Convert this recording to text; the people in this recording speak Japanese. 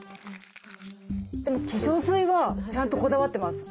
でも化粧水はちゃんとこだわってます。